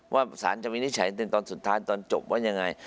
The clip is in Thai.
ว่าสารจมินิฉัยตั้งแต่ตอนสุดท้ายตอนจบว่ายังไง